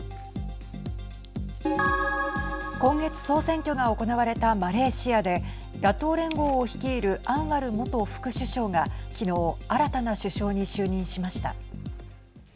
今月、総選挙が行われたマレーシアで野党連合を率いるアンワル元副首相が昨日新たな首相に就任しました。